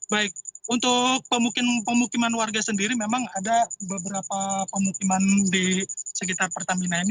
baik untuk pemukiman warga sendiri memang ada beberapa pemukiman di sekitar pertamina ini